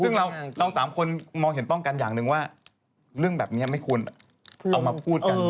ซึ่งเราสามคนมองเห็นต้องกันอย่างหนึ่งว่าเรื่องแบบนี้ไม่ควรเอามาพูดกัน